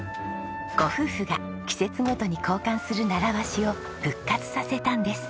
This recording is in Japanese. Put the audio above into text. ご夫婦が季節ごとに交換する習わしを復活させたんです。